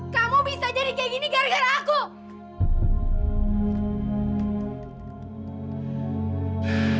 kamu bisa jadi kayak gini gara gara aku